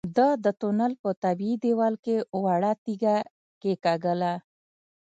ده د تونل په طبيعي دېوال کې وړه تيږه کېکاږله.